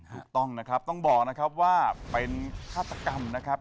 ถูกต้องนะครับต้องบอกนะครับว่าเป็นฆาตกรรมนะครับ